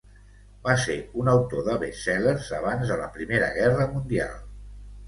Va ser un autor de best-sellers abans de la Primera Guerra Mundial.